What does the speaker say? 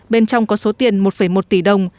bên trong có số tiền một một tỷ đồng